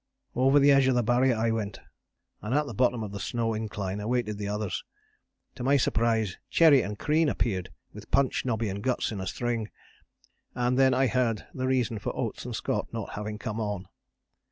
Over the edge of the Barrier I went, and at the bottom of the snow incline awaited the others. To my surprise Cherry and Crean appeared with Punch, Nobby and Guts in a string, and then I heard the reason for Oates and Scott not having come on.